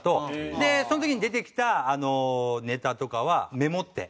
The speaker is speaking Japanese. でその時に出てきたネタとかはメモって。